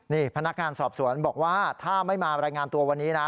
นี่พนักงานสอบสวนบอกว่าถ้าไม่มารายงานตัววันนี้นะ